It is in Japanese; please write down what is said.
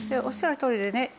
おっしゃるとおりでね。